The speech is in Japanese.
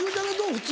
普通？